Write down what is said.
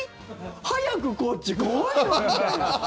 早くこっち来いよ！みたいな。